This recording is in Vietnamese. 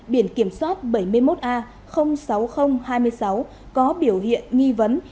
biển kiểm soát bảy mươi một a sáu nghìn hai mươi sáu có biểu hiện nghi vấn